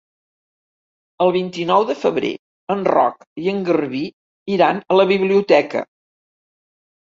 El vint-i-nou de febrer en Roc i en Garbí iran a la biblioteca.